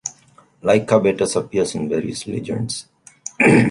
Lycabettus appears in various legends.